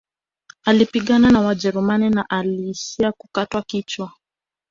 Alipigana na wajerumani na aliishia kukatwa kichwa